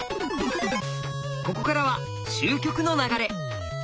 ここからは終局の流れ。